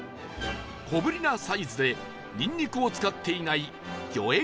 小ぶりなサイズでニンニクを使っていない